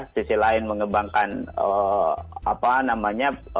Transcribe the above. sisi lain mengembangkan apa namanya